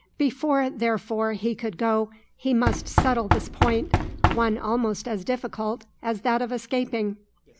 Before therefore he could go he must settle this point, one almost as difficult as that of escaping.